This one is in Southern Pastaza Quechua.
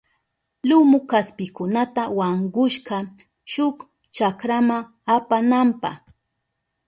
Lumu kaspikunata wankushka shuk chakrama apananpa.